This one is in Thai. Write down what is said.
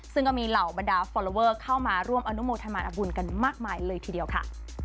ซึ่งก็มีเหล่าบรรดาฟอลลอเวอร์เข้ามาร่วมอนุโมทนาบุญกันมากมายเลยทีเดียวค่ะ